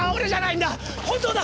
本当だ！